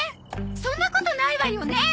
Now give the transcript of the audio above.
そんなことないわよねえ